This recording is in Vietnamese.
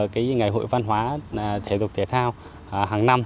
cái ngày hội văn hóa thể dục thể thao hàng năm